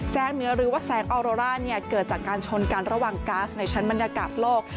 เหนือหรือว่าแสงออโรร่าเนี่ยเกิดจากการชนกันระหว่างก๊าซในชั้นบรรยากาศโลก